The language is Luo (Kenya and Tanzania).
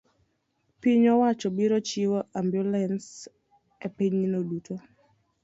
piny owacho biro chiwo ambulans e pinyno duto.